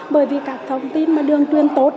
bởi vì các thông tin mà đường truyền tốt